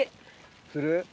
する？